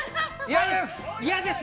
嫌です？